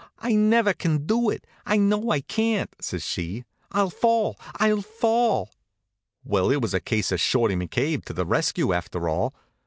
"I never can do it, I know I can't!" says she. "I'll fall, I'll fall!" Well, it was a case of Shorty McCabe to the rescue, after all.